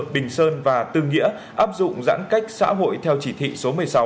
bình sơn và tư nghĩa áp dụng giãn cách xã hội theo chỉ thị số một mươi sáu